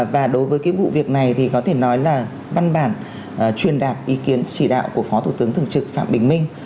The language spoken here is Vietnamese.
và đối với cái vụ việc này thì có thể nói là văn bản truyền đạt ý kiến chỉ đạo của phó thủ tướng thường trực phạm bình minh